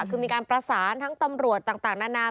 คือมีการประสานทั้งตำรวจต่างนานา